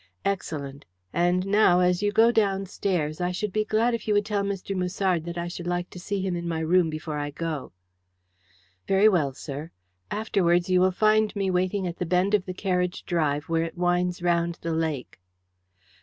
"Excellent. And now, as you go downstairs, I should be glad if you would tell Mr. Musard that I should like to see him in my room before I go." "Very well, sir. Afterwards you will find me waiting at the bend of the carriage drive where it winds round the lake."